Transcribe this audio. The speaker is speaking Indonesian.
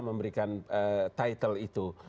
memberikan title itu